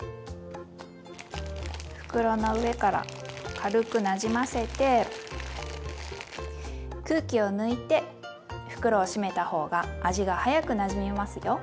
袋の上から軽くなじませて空気を抜いて袋を閉めた方が味が早くなじみますよ。